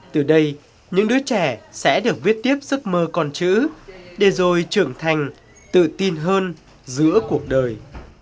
từ đây những đứa trẻ sẽ được viết tiếp giấc mơ con chữ để rồi trưởng thành tự tin hơn giữa cuộc đời